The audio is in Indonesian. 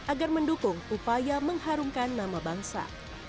agar mendukung upaya mengharumkan nama bangsa